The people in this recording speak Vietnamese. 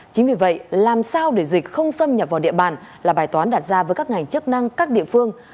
chính vì vậy làm sao để dịch không xâm nhập vào địa bàn là bài toán đặt ra với các ngành chức năng các địa phương